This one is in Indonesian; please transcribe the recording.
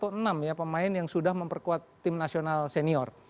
ada lima atau enam pemain yang sudah memperkuat tim nasional senior